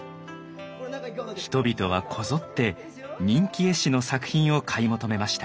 人々はこぞって人気絵師の作品を買い求めました。